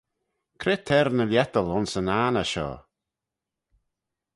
Cre t'er ny lhiettal ayns yn anney shoh?